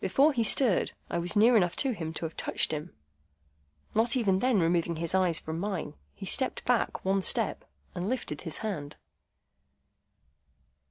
Before he stirred, I was near enough to him to have touched him. Not even then removing his eyes from mine, he stepped back one step, and lifted his hand.